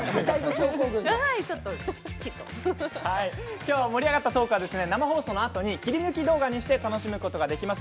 今日盛り上がったトークは生放送のあとに切り抜き動画で楽しむことができます。